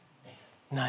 何？